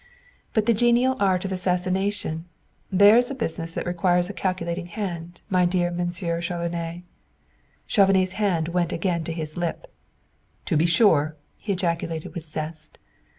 "But the genial art of assassination there's a business that requires a calculating hand, my dear Monsieur Chauvenet!" Chauvenet's hand went again to his lip. "To be sure!" he ejaculated with zest.